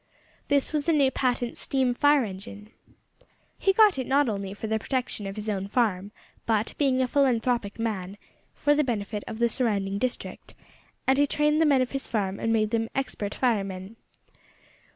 This was a new patent steam fire engine. He got it not only for the protection of his own farm, but, being a philanthropic man, for the benefit of the surrounding district, and he trained the men of his farm and made them expert firemen.